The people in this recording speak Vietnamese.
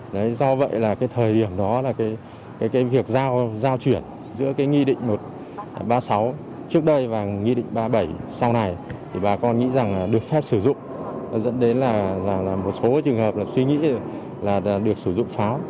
do vậy là cái thời điểm đó là cái việc giao chuyển giữa cái nghị định một trăm ba mươi sáu trước đây và nghị định một trăm ba mươi bảy sau này thì bà con nghĩ rằng là được phép sử dụng dẫn đến là một số trường hợp là suy nghĩ là được sử dụng pháo